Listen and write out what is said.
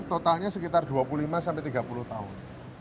totalnya sekitar dua puluh lima sampai tiga puluh tahun